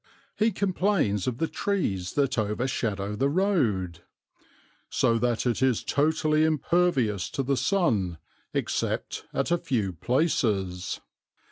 He complains of the trees that overshadow the road, "so that it is totally impervious to the sun, except at a few places."